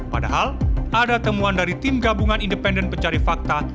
padahal ada temuan dari tim gabungan independen pencari fakta